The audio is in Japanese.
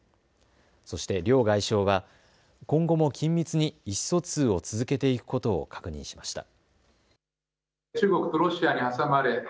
そして両外相は今後も緊密に意思疎通を続けていくことを確認しました。